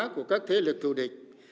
của các thế lực thù địch